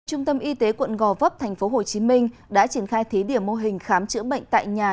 trung tâm y tế quận gò vấp tp hcm đã triển khai thí điểm mô hình khám chữa bệnh tại nhà